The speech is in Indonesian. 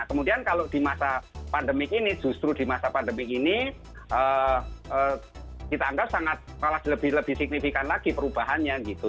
kemudian kalau di masa pandemi ini justru di masa pandemi ini kita anggap sangat malah lebih signifikan lagi perubahannya gitu